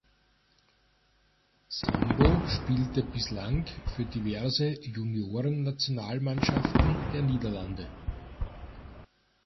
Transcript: Sambo spielte bislang für diverse Juniorennationalmannschaften der Niederlande.